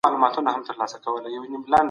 افغانستان زموږ هيواد دی